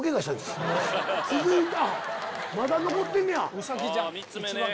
続いてまだ残ってんねや。